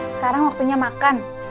sekarang waktunya makan